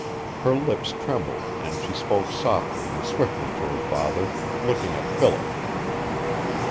Her lips trembled, and she spoke softly and swiftly to her father, looking at Philip.